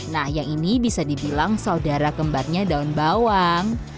nah yang ini bisa dibilang saudara kembarnya daun bawang